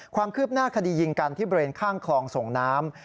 ความคืบหน้าคดียิงกันที่บริเวณข้างคลองส่งน้ำ